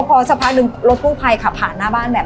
พอสักพักหนึ่งรถกู้ภัยขับผ่านหน้าบ้านแบบ